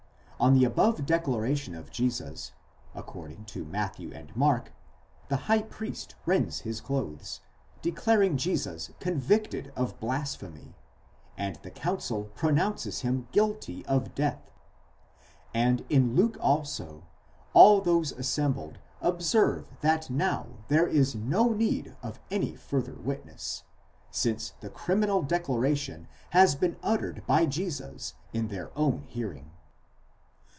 On the above declaration of Jesus, according to Matthew and Mark the high priest rends his clothes, declaring Jesus convicted of blasphemy, and the council pronounces him guilty of death ; and in Luke also, all those assembled observe that now there is no need of any further witness, since the criminal declaration has been uttered by Jesus in their own hearing.